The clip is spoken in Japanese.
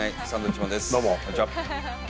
ただどうも、こんにちは。